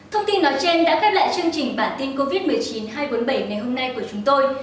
thông tin nói trên đã khép lại chương trình bản tin covid một mươi chín hai trăm bốn mươi bảy ngày hôm nay của chúng tôi